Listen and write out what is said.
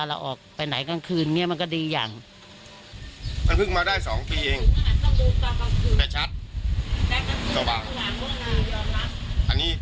น้องน้ำชื่อว่าถนนยังไม่ได้ตัดผ่านอย่างนี้